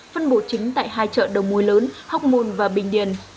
phân bổ chính tại hai chợ đầu mối lớn hóc môn và bình điền